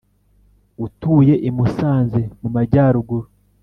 utuye i musanze mu majyaruguru